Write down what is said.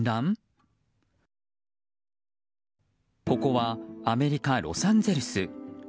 ここはアメリカ・ロサンゼルス。